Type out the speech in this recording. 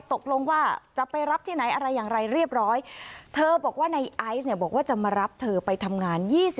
ตกลงว่าจะไปรับที่ไหนอะไรอย่างไรเรียบร้อยเธอบอกว่าในไอซ์เนี่ยบอกว่าจะมารับเธอไปทำงาน